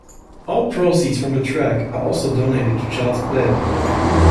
All proceeds from the track are also donated to Child's Play.